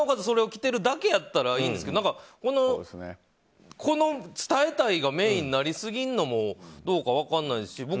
それを着てるだけやったらいいんですけどこの伝えたい！がメインになりすぎるのもどうか分からないですし